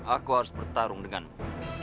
aku harus bertarung denganmu